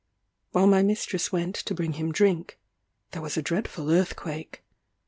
While my mistress went to bring him drink, there was a dreadful earthquake.